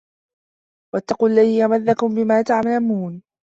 وَاتَّقُوا الَّذي أَمَدَّكُم بِما تَعلَمونَ